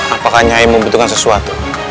apakah nyai membutuhkan sesuatu